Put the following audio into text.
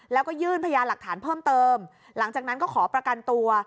แล้วก็ยื่นพยานหลักฐานเพิ่มเติมหลังจากนั้นก็ขอประกันตัว